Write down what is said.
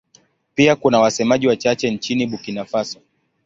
Pia kuna wasemaji wachache nchini Burkina Faso.